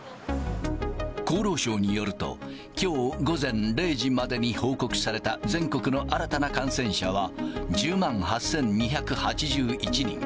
厚労省によると、きょう午前０時までに報告された全国の新たな感染者は１０万８２８１人。